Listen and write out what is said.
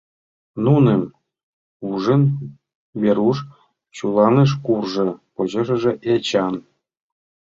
Нуным ужын, Веруш чуланыш куржо, почешыже — Эчан.